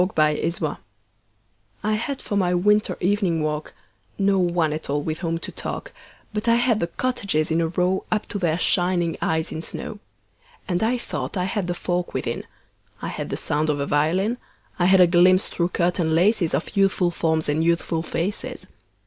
Good Hours I HAD for my winter evening walk No one at all with whom to talk, But I had the cottages in a row Up to their shining eyes in snow. And I thought I had the folk within: I had the sound of a violin; I had a glimpse through curtain laces Of youthful forms and youthful faces.